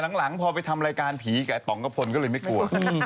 หลังพอไปทำรายการผีกับไอ้ต่องกระพลก็เลยไม่กลัว